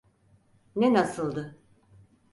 Ne nasıldı?